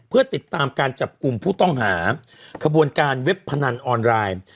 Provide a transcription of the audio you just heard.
เพื่อติดตามการจับกลุ่มผู้ต้องหาขบวนการเว็บพนันออนไลน์